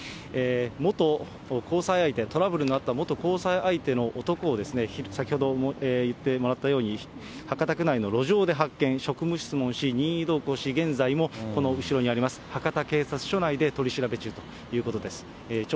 元交際相手、トラブルのあった元交際相手の男を先ほど、言ってもらったように、博多区内の路上で発見、職務質問し、任意同行し、現在もこの後ろにあります、博多警察署内で取り調べ中ということです。